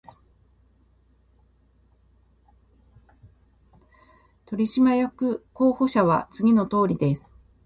取締役候補者は次のとおりです